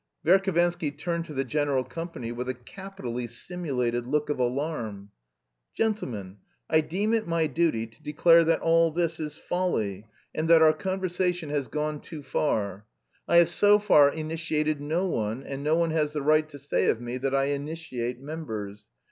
Verhovensky turned to the general company with a capitally simulated look of alarm. "Gentlemen, I deem it my duty to declare that all this is folly, and that our conversation has gone too far. I have so far initiated no one, and no one has the right to say of me that I initiate members.